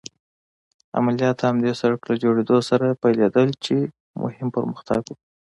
عملیات د همدې سړک له جوړېدو سره پيلېدل چې مهم پرمختګ و.